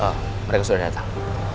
oh mereka sudah datang